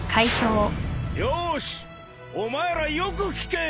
よーしお前らよく聞け！